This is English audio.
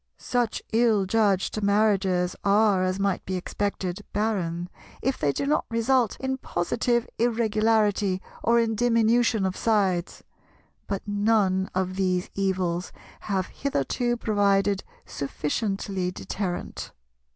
Such ill judged marriages are, as might be expected, barren, if they do not result in positive Irregularity or in diminution of sides; but none of these evils have hitherto provided sufficiently deterrent.